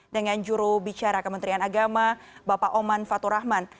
dengan juru bicara kementerian agama bapak oman fatur rahman